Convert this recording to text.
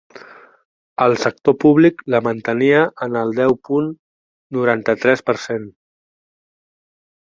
El sector públic la mantenia en el deu punt noranta-tres per cent.